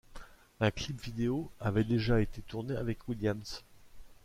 Un clip vidéo avait déjà été tourné avec Williams.